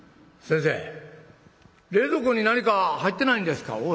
「先生冷蔵庫に何か入ってないんですか？」。